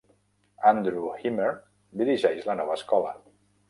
Andrew Hymer dirigeix la nova escola.